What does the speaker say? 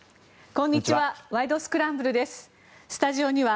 こんにちは。